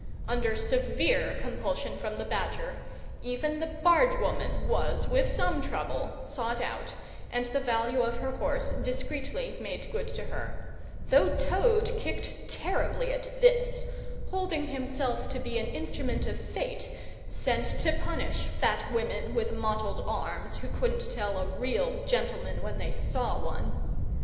Under severe compulsion from the Badger, even the barge woman was, with some trouble, sought out and the value of her horse discreetly made good to her; though Toad kicked terribly at this, holding himself to be an instrument of Fate, sent to punish fat women with mottled arms who couldn't tell a real gentleman when they saw one.